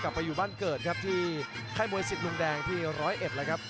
กลับมาอยู่บ้านเกิดครับที่ไข้มวยสิทธิ์ลุงแดงที่๑๐๑แล้วครับ